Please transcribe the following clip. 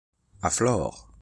A Flore!